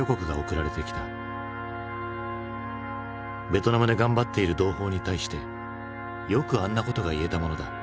「ベトナムで頑張っている同胞に対してよくあんなことが言えたものだ」。